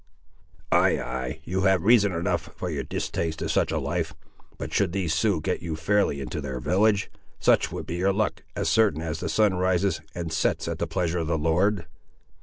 "Ay, ay, you have reason enough for your distaste to such a life; but should these Siouxes get you fairly into their village, such would be your luck, as certain as that the sun rises and sets at the pleasure of the Lord."